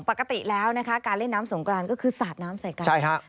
ปกติแล้วนะคะการเล่นน้ำสงกรานก็คือสาดน้ำใส่กันใช่ครับ